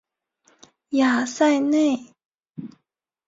雅塞内。